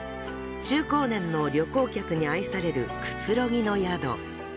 中高年の旅行客に愛されるくつろぎの宿。